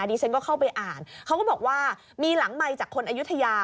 ดิฉันก็เข้าไปอ่านเขาก็บอกว่ามีหลังไมค์จากคนอายุทยา